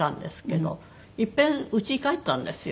いっぺんうちに帰ったんですよ。